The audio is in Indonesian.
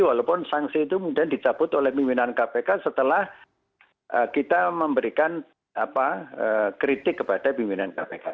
walaupun sanksi itu dicabut oleh pimpinan kpk setelah kita memberikan kritik kepada pimpinan kpk